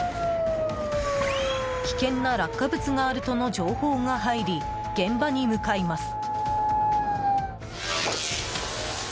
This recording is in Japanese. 危険な落下物があるとの情報が入り、現場に向かいます。